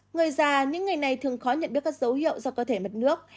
người già những ngày này thường khó nhận biết các dấu hiệu do cơ thể mất nước